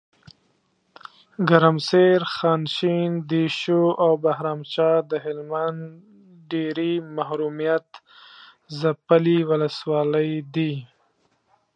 ګرمسیر، خانشین، دیشو اوبهرامچه دهلمند ډیري محرومیت ځپلي ولسوالۍ دي .